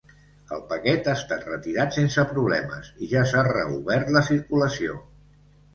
El paquet ha estat retirat sense problemes i ja s’ha reobert la circulació.